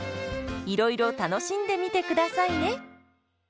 いろいろ楽しんでみてくださいね。